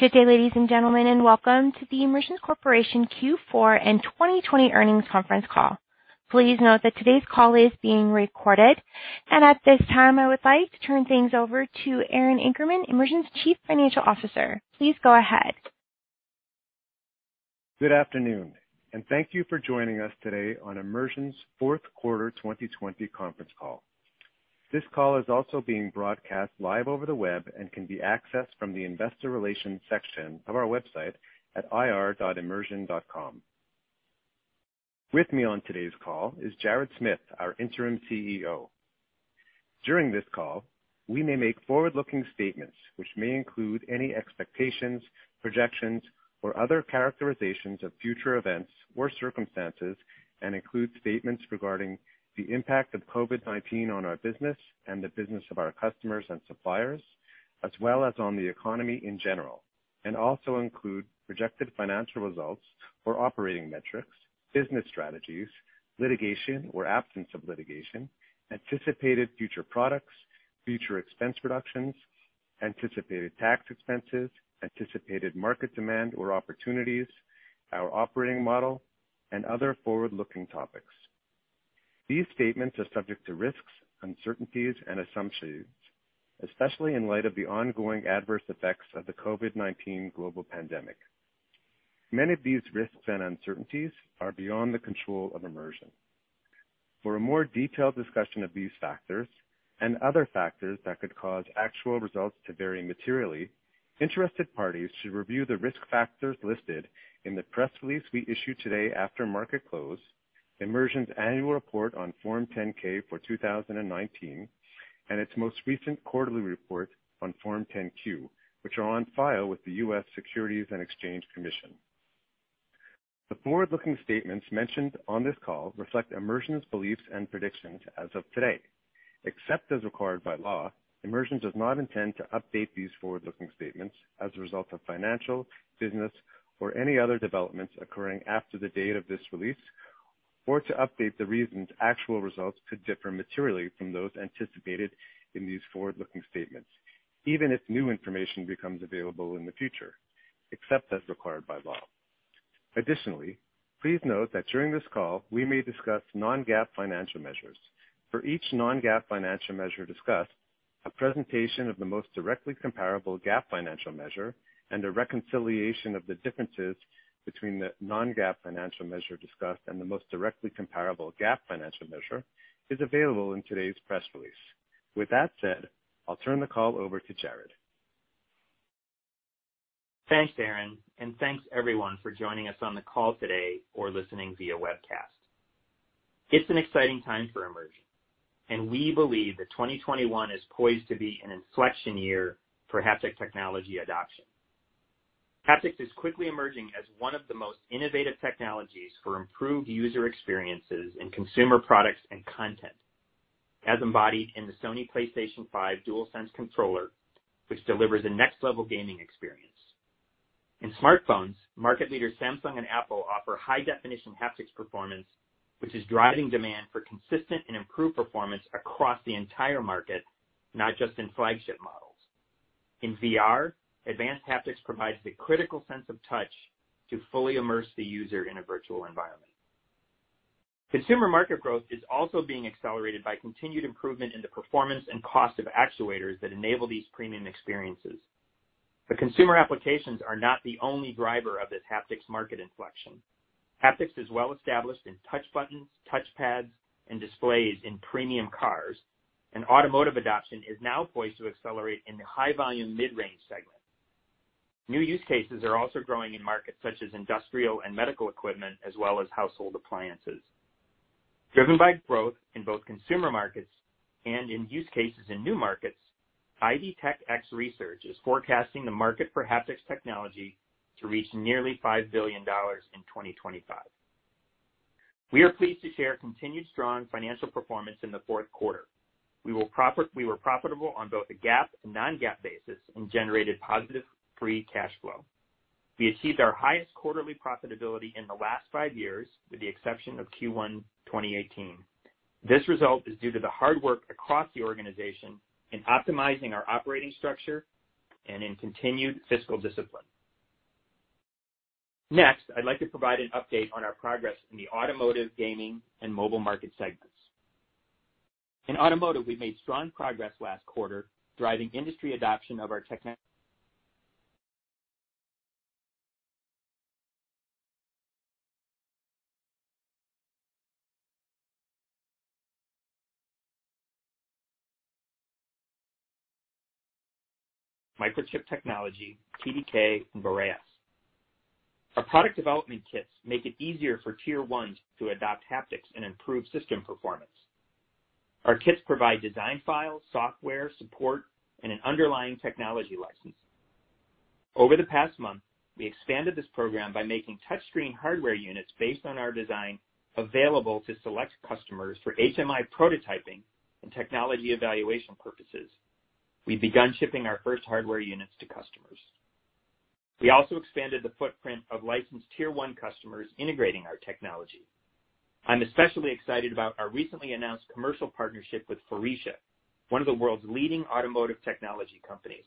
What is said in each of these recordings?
Good day, ladies and gentlemen, and welcome to the Immersion Corporation Q4 and 2020 earnings conference call. Please note that today's call is being recorded. At this time, I would like to turn things over to Aaron Akerman, Immersion's Chief Financial Officer. Please go ahead. Good afternoon, and thank you for joining us today on Immersion's fourth quarter 2020 conference call. This call is also being broadcast live over the web and can be accessed from the investor relations section of our website at ir.immersion.com. With me on today's call is Jared Smith, our interim CEO. During this call, we may make forward-looking statements, which may include any expectations, projections, or other characterizations of future events or circumstances, and include statements regarding the impact of COVID-19 on our business and the business of our customers and suppliers, as well as on the economy in general. Also include projected financial results or operating metrics, business strategies, litigation or absence of litigation, anticipated future products, future expense reductions, anticipated tax expenses, anticipated market demand or opportunities, our operating model, and other forward-looking topics. These statements are subject to risks, uncertainties, and assumptions, especially in light of the ongoing adverse effects of the COVID-19 global pandemic. Many of these risks and uncertainties are beyond the control of Immersion. For a more detailed discussion of these factors and other factors that could cause actual results to vary materially, interested parties should review the risk factors listed in the press release we issue today after market close, Immersion's annual report on Form 10-K for 2019, and its most recent quarterly report on Form 10-Q, which are on file with the U.S. Securities and Exchange Commission. The forward-looking statements mentioned on this call reflect Immersion's beliefs and predictions as of today. Except as required by law, Immersion does not intend to update these forward-looking statements as a result of financial, business, or any other developments occurring after the date of this release, or to update the reasons actual results could differ materially from those anticipated in these forward-looking statements, even if new information becomes available in the future, except as required by law. Additionally, please note that during this call, we may discuss non-GAAP financial measures. For each non-GAAP financial measure discussed, a presentation of the most directly comparable GAAP financial measure and a reconciliation of the differences between the non-GAAP financial measure discussed and the most directly comparable GAAP financial measure is available in today's press release. With that said, I'll turn the call over to Jared. Thanks, Aaron, and thanks everyone for joining us on the call today or listening via webcast. It's an exciting time for Immersion, and we believe that 2021 is poised to be an inflection year for haptics technology adoption. Haptics is quickly emerging as one of the most innovative technologies for improved user experiences in consumer products and content, as embodied in the Sony PlayStation 5 DualSense controller, which delivers a next-level gaming experience. In smartphones, market leaders Samsung and Apple offer high-definition haptics performance, which is driving demand for consistent and improved performance across the entire market, not just in flagship models. In VR, advanced haptics provides the critical sense of touch to fully immerse the user in a virtual environment. Consumer market growth is also being accelerated by continued improvement in the performance and cost of actuators that enable these premium experiences. Consumer applications are not the only driver of this haptics market inflection. Haptics is well established in touch buttons, touch pads, and displays in premium cars, and automotive adoption is now poised to accelerate in the high-volume mid-range segment. New use cases are also growing in markets such as industrial and medical equipment, as well as household appliances. Driven by growth in both consumer markets and in use cases in new markets, IDTechEx research is forecasting the market for haptics technology to reach nearly $5 billion in 2025. We are pleased to share continued strong financial performance in the fourth quarter. We were profitable on both a GAAP and non-GAAP basis and generated positive free cash flow. We achieved our highest quarterly profitability in the last five years, with the exception of Q1 2018. This result is due to the hard work across the organization in optimizing our operating structure and in continued fiscal discipline. I'd like to provide an update on our progress in the automotive, gaming, and mobile market segments. In automotive, we made strong progress last quarter, driving industry adoption of our Microchip Technology, TDK, and Boréas. Our product development kits make it easier for tier 1s to adopt haptics and improve system performance. Our kits provide design files, software support, and an underlying technology license. Over the past month, we expanded this program by making touchscreen hardware units based on our design available to select customers for HMI prototyping and technology evaluation purposes. We've begun shipping our first hardware units to customers. We also expanded the footprint of licensed Tier 1 customers integrating our technology. I am especially excited about our recently announced commercial partnership with Faurecia, one of the world's leading automotive technology companies.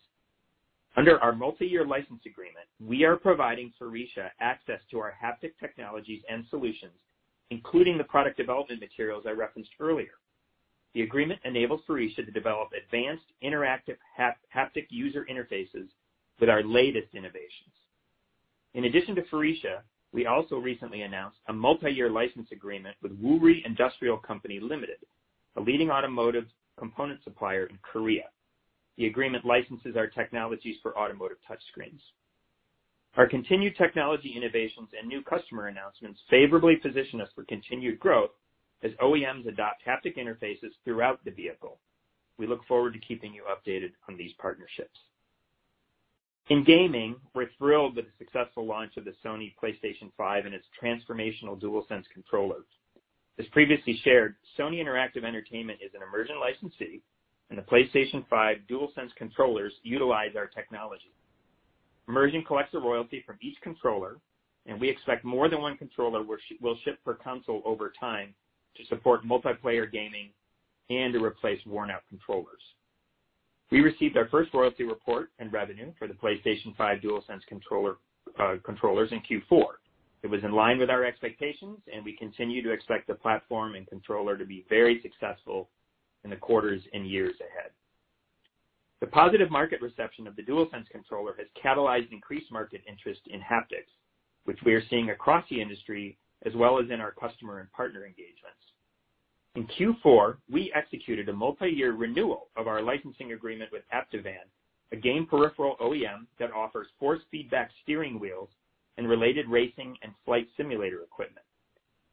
Under our multi-year license agreement, we are providing Faurecia access to our haptic technologies and solutions, including the product development materials I referenced earlier. The agreement enables Faurecia to develop advanced interactive haptic user interfaces with our latest innovations. In addition to Faurecia, we also recently announced a multi-year license agreement with Woory Industrial Company Limited.. A leading automotive component supplier in Korea. The agreement licenses our technologies for automotive touchscreens. Our continued technology innovations and new customer announcements favorably position us for continued growth as OEMs adopt haptic interfaces throughout the vehicle. We look forward to keeping you updated on these partnerships. In gaming, we're thrilled with the successful launch of the Sony PlayStation 5 and its transformational DualSense controllers. As previously shared, Sony Interactive Entertainment is an Immersion licensee, and the PlayStation 5 DualSense controllers utilize our technology. Immersion collects a royalty from each controller, and we expect more than one controller will ship per console over time to support multiplayer gaming and to replace worn-out controllers. We received our first royalty report and revenue for the PlayStation 5 DualSense controllers in Q4. It was in line with our expectations, and we continue to expect the platform and controller to be very successful in the quarters and years ahead. The positive market reception of the DualSense controller has catalyzed increased market interest in haptics, which we are seeing across the industry, as well as in our customer and partner engagements. In Q4, we executed a multi-year renewal of our licensing agreement with Fanatec, a game peripheral OEM that offers force feedback steering wheels and related racing and flight simulator equipment.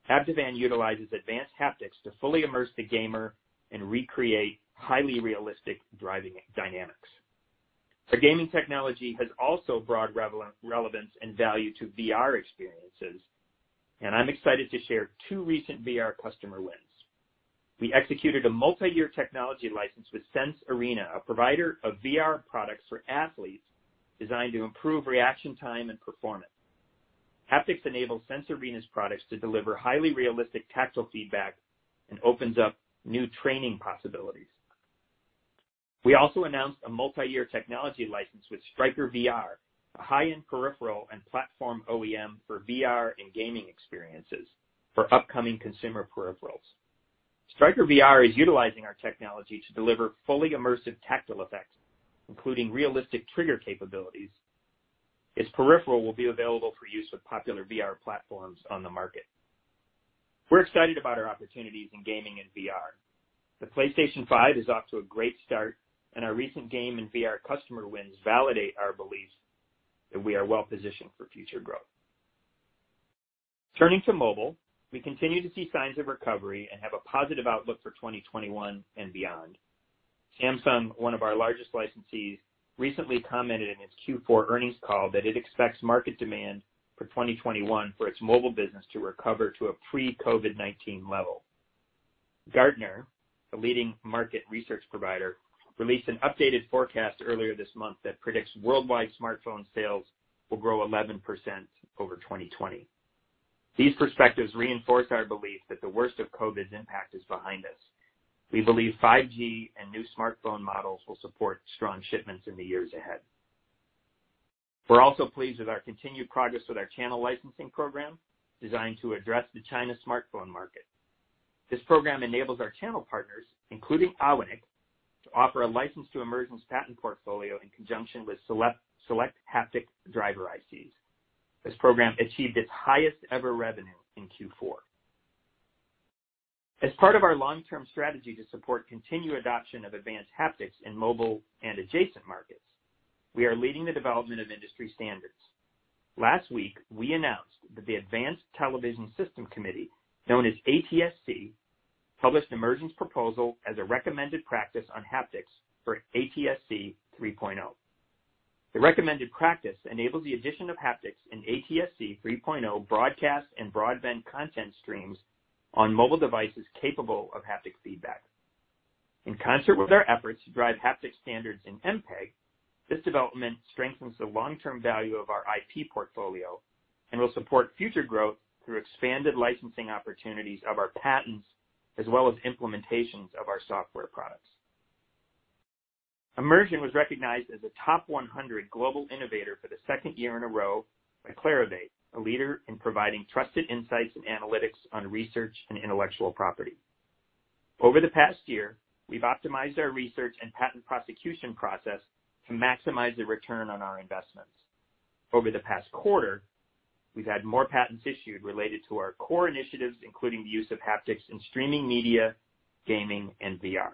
Fanatec utilizes advanced haptics to fully immerse the gamer and recreate highly realistic driving dynamics. Our gaming technology has also broad relevance and value to VR experiences, and I'm excited to share two recent VR customer wins. We executed a multi-year technology license with Sense Arena, a provider of VR products for athletes designed to improve reaction time and performance. Haptics enables Sense Arena's products to deliver highly realistic tactile feedback and opens up new training possibilities. We also announced a multi-year technology license with StrikerVR, a high-end peripheral and platform OEM for VR and gaming experiences for upcoming consumer peripherals. StrikerVR is utilizing our technology to deliver fully immersive tactile effects, including realistic trigger capabilities. Its peripheral will be available for use with popular VR platforms on the market. We're excited about our opportunities in gaming and VR. The PlayStation 5 is off to a great start. Our recent game and VR customer wins validate our belief that we are well-positioned for future growth. Turning to mobile, we continue to see signs of recovery and have a positive outlook for 2021 and beyond. Samsung, one of our largest licensees, recently commented in its Q4 earnings call that it expects market demand for 2021 for its mobile business to recover to a pre-COVID-19 level. Gartner, a leading market research provider, released an updated forecast earlier this month that predicts worldwide smartphone sales will grow 11% over 2020. These perspectives reinforce our belief that the worst of COVID's impact is behind us. We believe 5G and new smartphone models will support strong shipments in the years ahead. We're also pleased with our continued progress with our channel licensing program designed to address the China smartphone market. This program enables our channel partners, including Awinic, to offer a license to Immersion's patent portfolio in conjunction with select haptic driver ICs. This program achieved its highest-ever revenue in Q4. As part of our long-term strategy to support continued adoption of advanced haptics in mobile and adjacent markets, we are leading the development of industry standards. Last week, we announced that the Advanced Television Systems Committee, known as ATSC, published Immersion's proposal as a Recommended Practice on haptics for ATSC 3.0. The Recommended Practice enables the addition of haptics in ATSC 3.0 broadcast and broadband content streams on mobile devices capable of haptic feedback. In concert with our efforts to drive haptic standards in MPEG, this development strengthens the long-term value of our IP portfolio and will support future growth through expanded licensing opportunities of our patents as well as implementations of our software products. Immersion was recognized as a Top 100 Global Innovator for the second year in a row by Clarivate, a leader in providing trusted insights and analytics on research and intellectual property. Over the past year, we've optimized our research and patent prosecution process to maximize the return on our investments. Over the past quarter, we've had more patents issued related to our core initiatives, including the use of haptics in streaming media, gaming, and VR.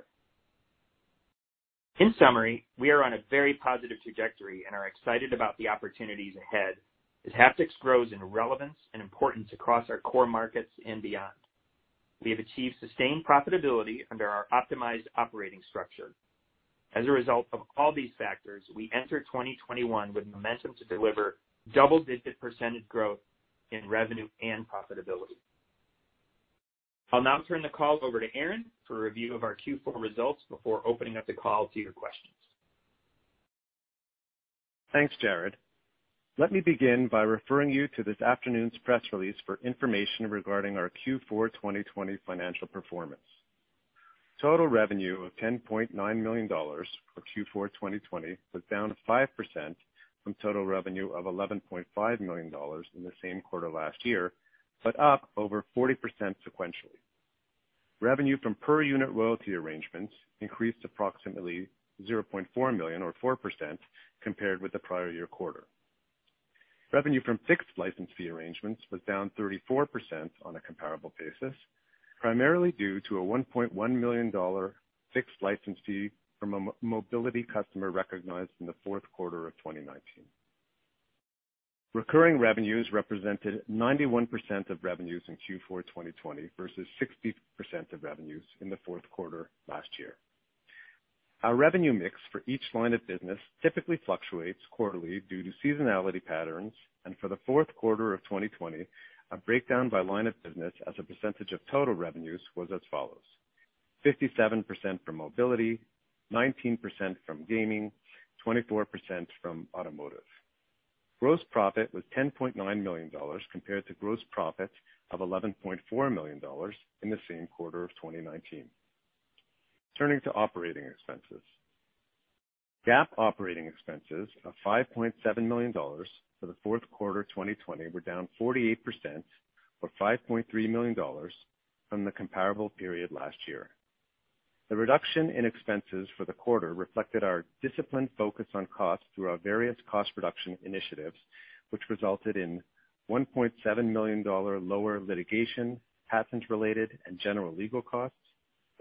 In summary, we are on a very positive trajectory and are excited about the opportunities ahead as haptics grows in relevance and importance across our core markets and beyond. We have achieved sustained profitability under our optimized operating structure. As a result of all these factors, we enter 2021 with momentum to deliver double-digit percentage growth in revenue and profitability. I'll now turn the call over to Aaron for a review of our Q4 results before opening up the call to your questions. Thanks, Jared. Let me begin by referring you to this afternoon's press release for information regarding our Q4 2020 financial performance. Total revenue of $10.9 million for Q4 2020 was down 5% from total revenue of $11.5 million in the same quarter last year, but up over 40% sequentially. Revenue from per unit royalty arrangements increased approximately $0.4 million or 4%, compared with the prior year quarter. Revenue from fixed license fee arrangements was down 34% on a comparable basis, primarily due to a $1.1 million fixed license fee from a mobility customer recognized in the fourth quarter of 2019. Recurring revenues represented 91% of revenues in Q4 2020 versus 60% of revenues in the fourth quarter last year. Our revenue mix for each line of business typically fluctuates quarterly due to seasonality patterns, and for the fourth quarter of 2020, a breakdown by line of business as a percentage of total revenues was as follows: 57% from mobility, 19% from gaming, 24% from automotive. Gross profit was $10.9 million compared to gross profit of $11.4 million in the same quarter of 2019. Turning to operating expenses. GAAP operating expenses of $5.7 million for the fourth quarter 2020 were down 48%, or $5.3 million from the comparable period last year. The reduction in expenses for the quarter reflected our disciplined focus on costs through our various cost reduction initiatives, which resulted in $1.7 million lower litigation, patent related and general legal costs,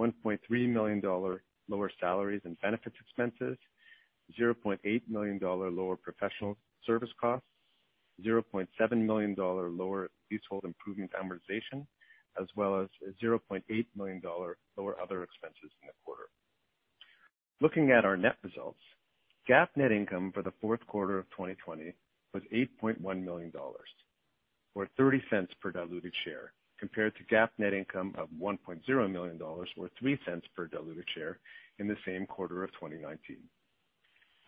$1.3 million lower salaries and benefits expenses, $0.8 million lower professional service costs, $0.7 million lower leasehold improvement amortization, as well as a $0.8 million lower other expenses in the quarter. Looking at our net results, GAAP net income for the fourth quarter of 2020 was $8.1 million, or $0.30 per diluted share, compared to GAAP net income of $1.0 million or $0.03 per diluted share in the same quarter of 2019.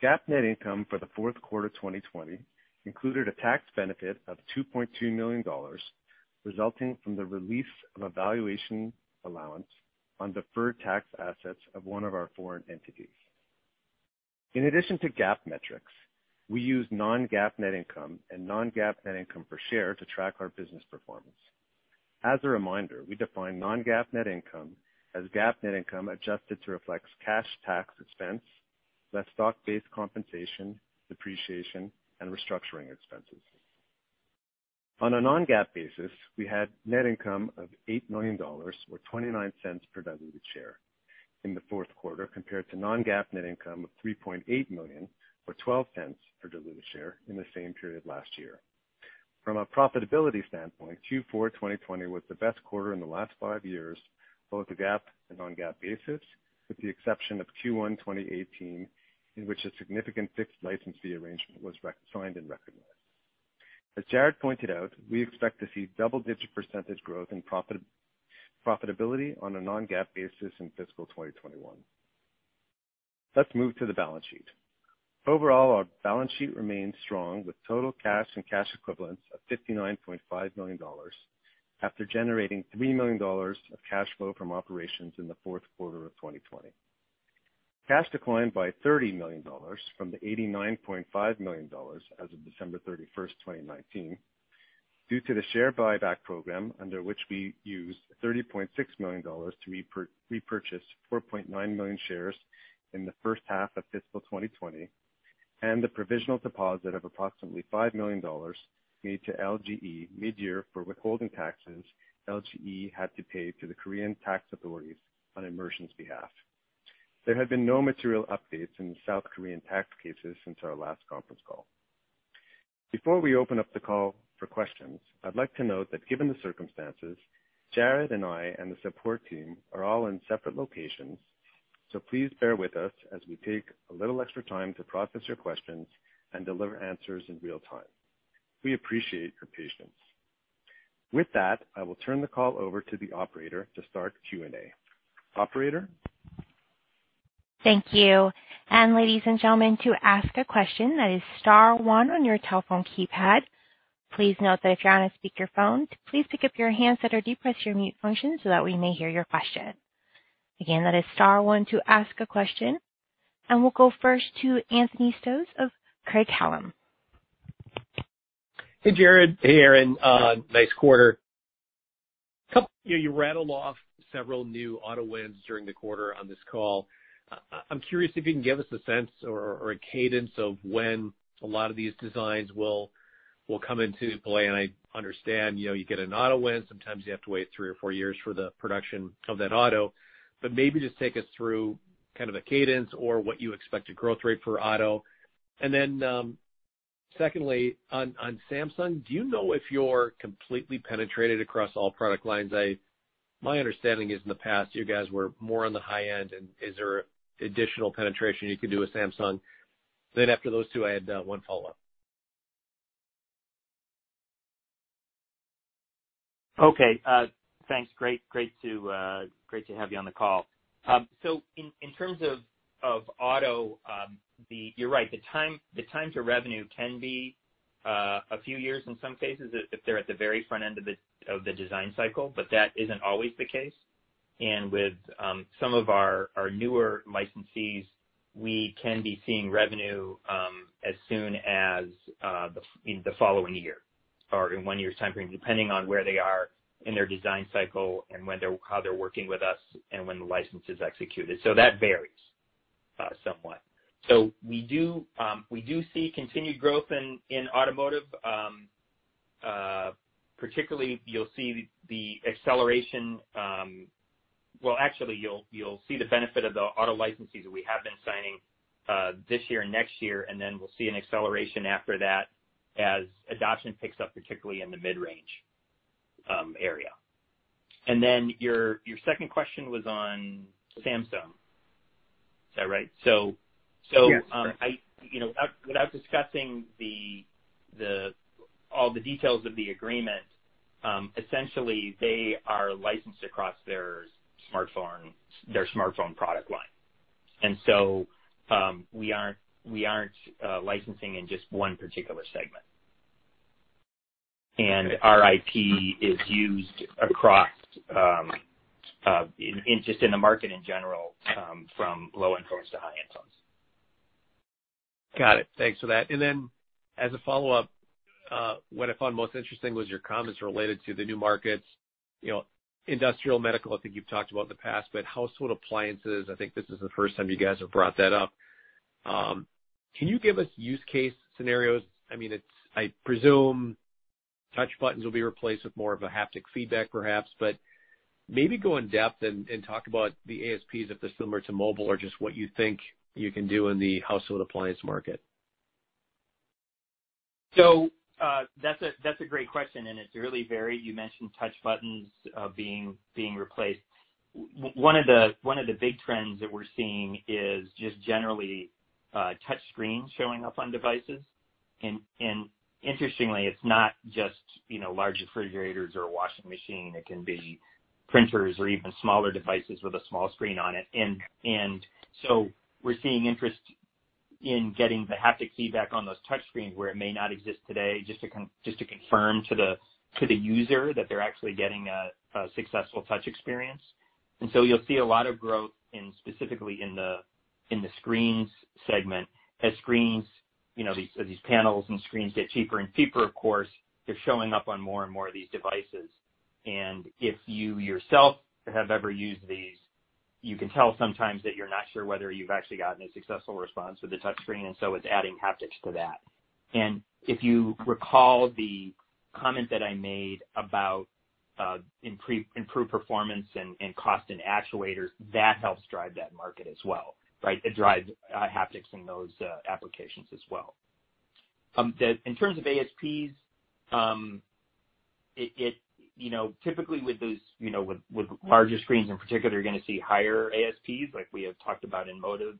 GAAP net income for the fourth quarter 2020 included a tax benefit of $2.2 million, resulting from the release of a valuation allowance on deferred tax assets of one of our foreign entities. In addition to GAAP metrics, we use non-GAAP net income and non-GAAP net income per share to track our business performance. As a reminder, we define non-GAAP net income as GAAP net income adjusted to reflect cash tax expense, less stock-based compensation, depreciation, and restructuring expenses. On a non-GAAP basis, we had net income of $8 million, or $0.29 per diluted share in the fourth quarter, compared to non-GAAP net income of $3.8 million or $0.12 per diluted share in the same period last year. From a profitability standpoint, Q4 2020 was the best quarter in the last five years, both the GAAP and non-GAAP basis, with the exception of Q1 2018, in which a significant fixed licensee arrangement was signed and recognized. As Jared pointed out, we expect to see double-digit percentage growth in profitability on a non-GAAP basis in fiscal 2021. Let's move to the balance sheet. Overall, our balance sheet remains strong with total cash and cash equivalents of $59.5 million after generating $3 million of cash flow from operations in the fourth quarter of 2020. Cash declined by $30 million from the $89.5 million as of December 31st, 2019, due to the share buyback program under which we used $30.6 million to repurchase 4.9 million shares in the first half of fiscal 2020. The provisional deposit of approximately $5 million made to LGE mid-year for withholding taxes LGE had to pay to the South Korean tax authorities on Immersion's behalf. There have been no material updates in the South Korean tax cases since our last conference call. Before we open up the call for questions, I'd like to note that given the circumstances, Jared and I and the support team are all in separate locations. Please bear with us as we take a little extra time to process your questions and deliver answers in real time. We appreciate your patience. With that, I will turn the call over to the operator to start Q&A. Operator? Thank you. Ladies and gentlemen, to ask a question, that is star one on your telephone keypad. Please note that if you're on a speakerphone, please pick up your handset or depress your mute function so that we may hear your question. Again, that is star one to ask a question. We'll go first to Anthony Stoss of Craig-Hallum. Hey, Jared. Hey, Aaron. Nice quarter. You rattled off several new auto wins during the quarter on this call. I'm curious if you can give us a sense or a cadence of when a lot of these designs will come into play, and I understand you get an auto win, sometimes you have to wait three or four years for the production of that auto, but maybe just take us through kind of the cadence or what you expect a growth rate for auto. Secondly, on Samsung, do you know if you're completely penetrated across all product lines? My understanding is in the past, you guys were more on the high end. Is there additional penetration you can do with Samsung? After those two, I had one follow-up. Okay. Thanks. Great to have you on the call. In terms of auto, you're right, the time to revenue can be a few years in some cases if they're at the very front end of the design cycle, but that isn't always the case. With some of our newer licensees, we can be seeing revenue as soon as in the following year or in one year's time frame, depending on where they are in their design cycle and how they're working with us and when the license is executed. That varies somewhat. We do see continued growth in automotive. Particularly, you'll see the benefit of the auto licensees that we have been signing this year and next year, and then we'll see an acceleration after that as adoption picks up, particularly in the mid-range area. Your second question was on Samsung, is that right? Yes, correct. Without discussing all the details of the agreement, essentially, they are licensed across their smartphone product line. We aren't licensing in just one particular segment. Our IP is used across, just in the market in general, from low-end phones to high-end phones. Got it. Thanks for that. As a follow-up, what I found most interesting was your comments related to the new markets. Industrial medical, I think you've talked about in the past, but household appliances, I think this is the first time you guys have brought that up. Can you give us use case scenarios? I presume touch buttons will be replaced with more of a haptic feedback perhaps, but maybe go in depth and talk about the ASPs if they're similar to mobile or just what you think you can do in the household appliance market. That's a great question, and it's really varied. You mentioned touch buttons being replaced. One of the big trends that we're seeing is just generally touch screens showing up on devices. Interestingly, it's not just large refrigerators or washing machine, it can be printers or even smaller devices with a small screen on it. We're seeing interest in getting the haptic feedback on those touch screens where it may not exist today, just to confirm to the user that they're actually getting a successful touch experience. You'll see a lot of growth specifically in the screens segment as these panels and screens get cheaper and cheaper, of course, they're showing up on more and more of these devices. If you yourself have ever used these, you can tell sometimes that you're not sure whether you've actually gotten a successful response with a touch screen, and so it's adding haptics to that. If you recall the comment that I made about improved performance and cost in actuators, that helps drive that market as well. Right? It drives haptics in those applications as well. In terms of ASPs, typically with larger screens in particular, you're going to see higher ASPs, like we have talked about in automotive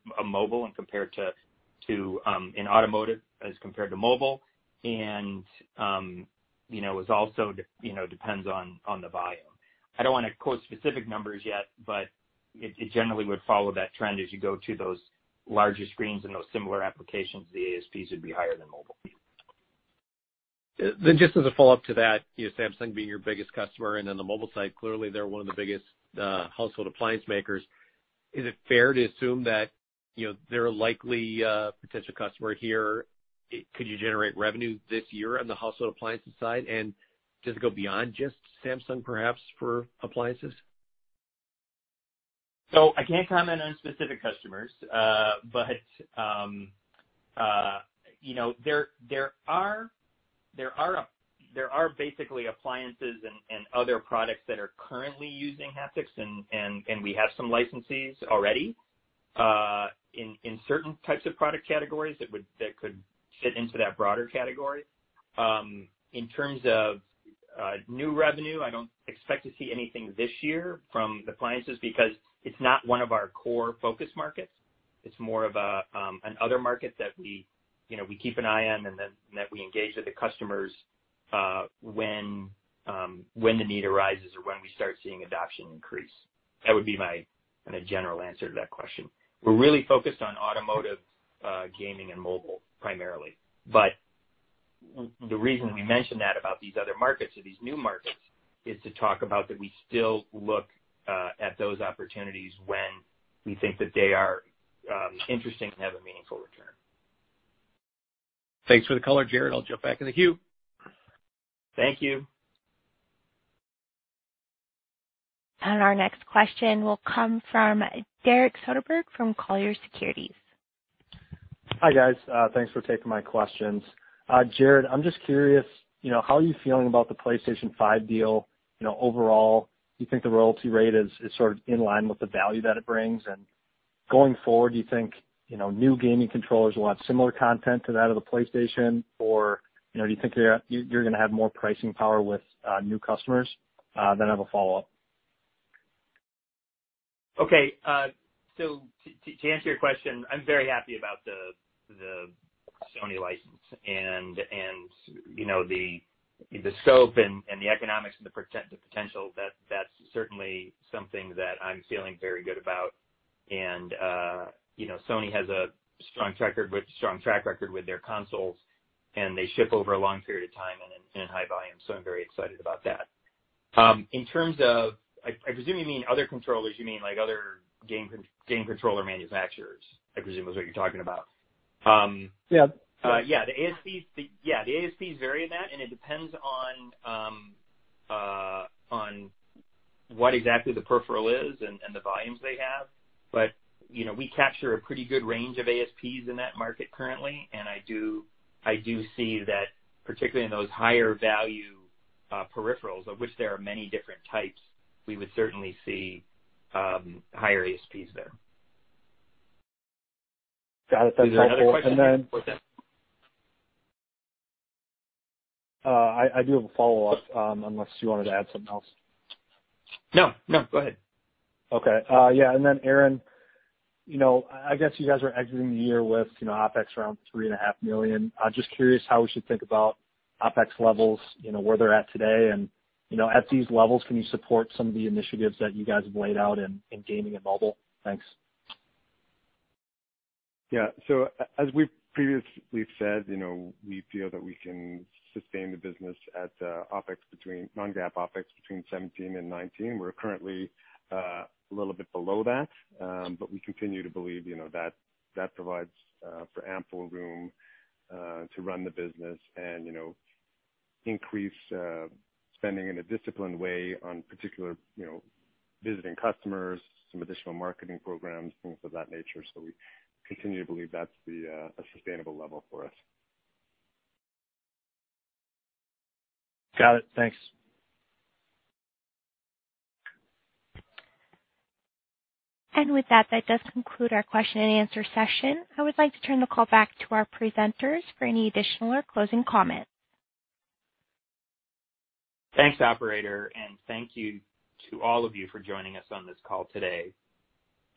as compared to mobile, and it also depends on the volume. I don't want to quote specific numbers yet, but it generally would follow that trend as you go to those larger screens and those similar applications, the ASPs would be higher than mobile. Just as a follow-up to that, Samsung being your biggest customer, and on the mobile side, clearly they're one of the biggest household appliance makers. Is it fair to assume that they're a likely potential customer here? Could you generate revenue this year on the household appliances side? Does it go beyond just Samsung, perhaps, for appliances? I can't comment on specific customers. There are basically appliances and other products that are currently using haptics, and we have some licensees already in certain types of product categories that could fit into that broader category. In terms of new revenue, I don't expect to see anything this year from appliances because it's not one of our core focus markets. It's more of an other market that we keep an eye on and that we engage with the customers when the need arises or when we start seeing adoption increase. That would be my general answer to that question. We're really focused on automotive, gaming, and mobile primarily. The reason we mention that about these other markets or these new markets is to talk about that we still look at those opportunities when we think that they are interesting and have a meaningful return. Thanks for the color, Jared. I'll jump back in the queue. Thank you. Our next question will come from Derek Soderberg from Colliers Securities. Hi, guys. Thanks for taking my questions. Jared, I'm just curious, how are you feeling about the PlayStation 5 deal overall? Do you think the royalty rate is sort of in line with the value that it brings? Going forward, do you think new gaming controllers will have similar content to that of the PlayStation, or do you think you're going to have more pricing power with new customers? I have a follow-up. Okay. To answer your question, I'm very happy about the Sony license and the scope and the economics and the potential. That's certainly something that I'm feeling very good about. Sony has a strong track record with their consoles, and they ship over a long period of time and in high volume. I'm very excited about that. I presume you mean other controllers. You mean other game controller manufacturers, I presume is what you're talking about. Yeah. The ASPs vary in that, and it depends on what exactly the peripheral is and the volumes they have. We capture a pretty good range of ASPs in that market currently. I do see that, particularly in those higher value peripherals, of which there are many different types, we would certainly see higher ASPs there. Got it. That's helpful. Is there another question? What's that? I do have a follow-up, unless you wanted to add something else. No, go ahead. Okay. Yeah. Aaron, I guess you guys are exiting the year with OpEx around three and a half million. Just curious how we should think about OpEx levels, where they're at today, and at these levels, can you support some of the initiatives that you guys have laid out in gaming and mobile? Thanks. Yeah. As we've previously said, we feel that we can sustain the business at non-GAAP OpEx between 17 and 19. We're currently a little bit below that. We continue to believe that provides for ample room to run the business and increase spending in a disciplined way on particular visiting customers, some additional marketing programs, things of that nature. We continue to believe that's a sustainable level for us. Got it. Thanks. With that does conclude our question-and-answer session. I would like to turn the call back to our presenters for any additional or closing comments. Thanks, operator. Thank you to all of you for joining us on this call today.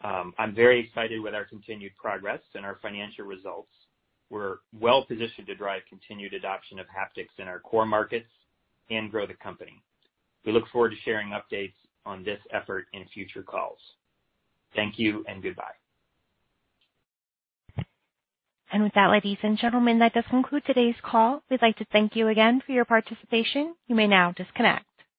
I'm very excited with our continued progress and our financial results. We're well-positioned to drive continued adoption of haptics in our core markets and grow the company. We look forward to sharing updates on this effort in future calls. Thank you and goodbye. With that, ladies and gentlemen, that does conclude today's call. We'd like to thank you again for your participation. You may now disconnect.